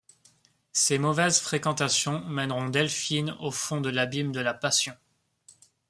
Ses mauvaises fréquentations mèneront Delphine au fond de l'abîme de la passion.